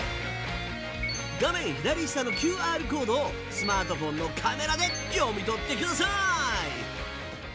画面左下のＱＲコードをスマートフォンのカメラで読み取ってください。